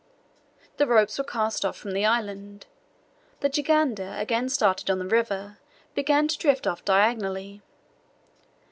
The ropes were cast off from the island. The jangada, again started on the river, began to drift off diagonally.